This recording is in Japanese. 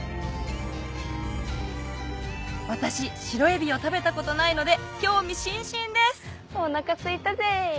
私白えびを食べたことないので興味津々ですお腹すいたぜ。